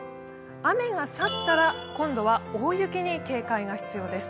雨が去ったら今度は大雪に警戒が必要です。